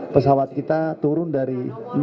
pesawat kita turun dari